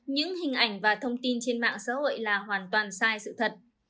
những hình ảnh và thông tin trên mạng xã hội là hoàn toàn sai sự thật